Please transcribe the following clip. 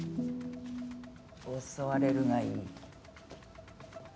襲われるがいい。